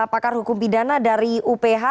pakar hukum pidana dari uph